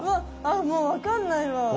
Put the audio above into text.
あっもうわかんないわ。